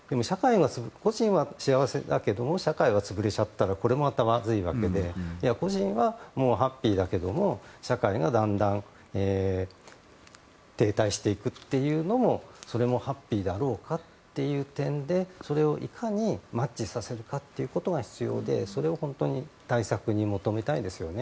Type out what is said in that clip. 個人は幸せだけど社会が潰れちゃったらこれもまた、まずいわけで個人はハッピーだけども社会がだんだん停滞していくというのもそれもハッピーだろうかという点でそれをいかに、マッチさせるかということが必要でそれを本当に対策に求めたいですよね。